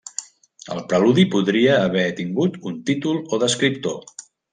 El preludi podria haver tingut un títol o descriptor.